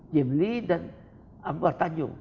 jim lee dan akbar tanjung